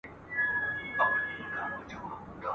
زما بغات ستا له ګفتاره سره نه جوړیږي !.